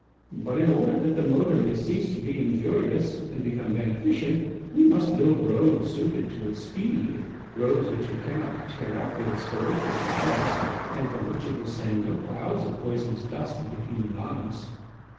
But in order that the motor may cease to be injurious and become beneficent we must build roads suited to its speed, roads which it cannot tear up with its ferocious tyres, and from which it will send no clouds of poisonous dust into human lungs.